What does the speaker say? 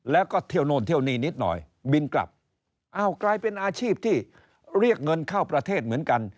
แล้วก็เที่ยวโน่นเที่ยวนี่นิดหน่อยบินกลับอ้าวกลายเป็นอาชีพที่เรียกเงินเข้าประเทศเหมือนกัน